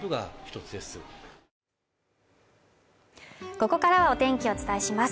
ここからはお天気をお伝えします